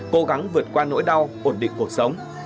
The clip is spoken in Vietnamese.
cố gắng vượt qua nỗi đau ổn định cuộc sống